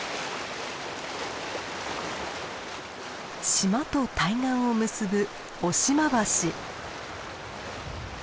島と対岸を結ぶ雄島橋。